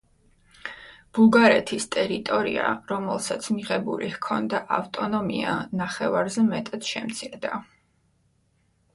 ბულგარეთის ტერიტორია, რომელსაც მიღებული ჰქონდა ავტონომია, ნახევარზე მეტად შემცირდა.